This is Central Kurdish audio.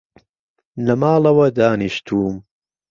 لە ماڵەوە دانیشتووم